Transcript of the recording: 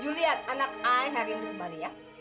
you liat anak ay hari ini kembali ya